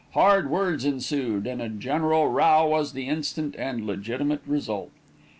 Hard words ensued, and a general row was the instant and legitimate result.